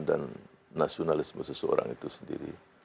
dan nasionalisme seseorang itu sendiri